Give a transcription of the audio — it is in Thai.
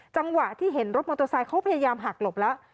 จังหวะที่เห็นรถมอเตอร์ไซค์เขาพยายามหักหลบแล้ว